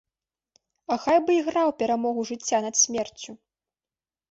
А хай бы іграў перамогу жыцця над смерцю!